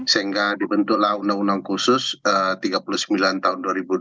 sehingga dibentuklah undang undang khusus tiga puluh sembilan tahun dua ribu delapan belas